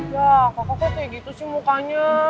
ya kakak kakak tuh kayak gitu sih mukanya